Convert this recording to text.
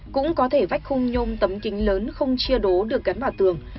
cũng có thể vách khung nhôm tấm kính lớn không chia đố được cắn vào tường